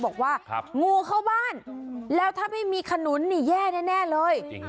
บอกว่างูเข้าบ้านแล้วถ้าไม่มีขนุนนี่แย่แน่เลย